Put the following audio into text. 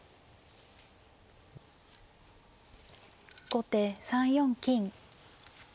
後手３四金。